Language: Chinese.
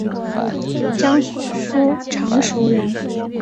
江苏常熟人。